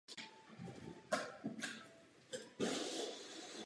Jsou tu také skalní útvary a jeskyně.